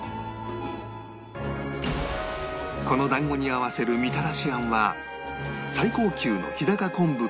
この団子に合わせるみたらし餡は最高級の日高昆布からダシをとり